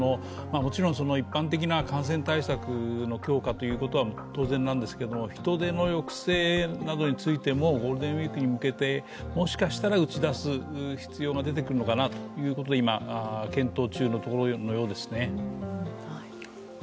もちろん一般的な感染対策の強化は当然ですけれども、人出の抑制などについてもゴールデンウイークに向けてもしかしたら打ち出す必要が出てくるのかなというのが今、検討中のようですね。